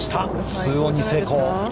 ツーオンに成功。